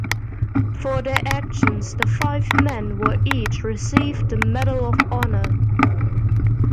For their actions, the five men were each received the Medal of Honor.